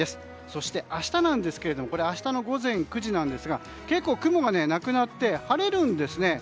そして明日の午前９時ですが結構、雲がなくなって晴れるんですね。